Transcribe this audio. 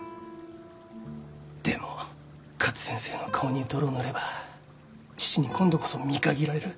でも勝先生の顔に泥を塗れば父に今度こそ見限られる。